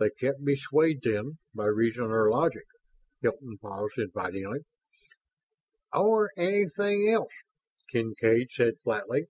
"They can't be swayed, then, by reason or logic?" Hilton paused invitingly. "Or anything else," Kincaid said, flatly.